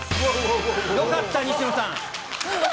よかった、西野さん。